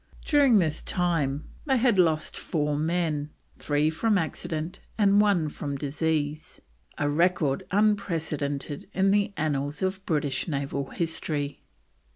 During this time they had lost four men, three from accident and one from disease a record unprecedented in the annals of British Naval history.